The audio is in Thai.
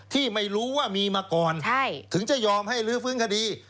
ที่ไม่รู้ว่ามีมาก่อนถึงจะยอมให้ลื้อฟื้นคดี